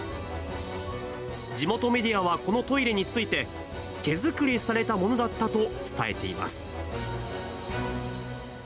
地元メディアはこのトイレについて、手作りされたものだったと伝えています。